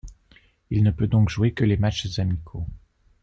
Il ne peut donc jouer que les matchs amicaux.